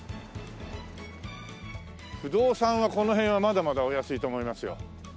不動産はこの辺はまだまだお安いと思いますよ。